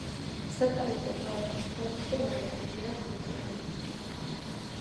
სატარიფო პალატის თავმჯდომარე ილია გოლდმანი იყო.